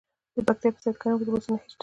د پکتیا په سید کرم کې د مسو نښې شته.